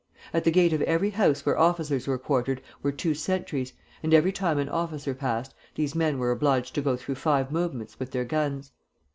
At the gate of every house where officers were quartered were two sentries, and every time an officer passed, these men were obliged to go through five movements with their guns.